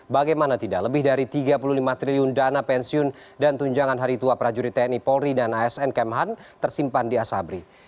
bagaimana tidak lebih dari tiga puluh lima triliun dana pensiun dan tunjangan hari tua prajurit tni polri dan asn kemhan tersimpan di asabri